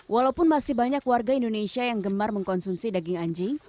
walaupun masih banyak warga indonesia yang gemar mengkonsumsi daging anjing